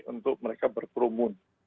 untuk mereka berkerumun